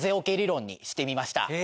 桶理論にしてみました。